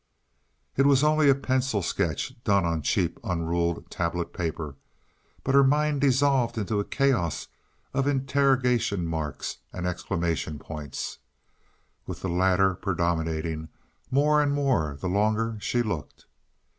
It was only a pencil sketch done on cheap, unruled tablet paper, but her mind dissolved into a chaos of interrogation marks and exclamation points with the latter predominating more and more the longer she looked.